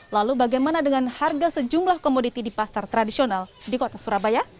lalu bagaimana dengan harga sejumlah komoditi di pasar tradisional di kota surabaya